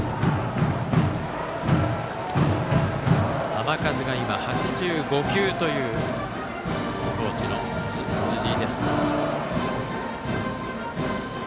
球数が８５球という高知の辻井。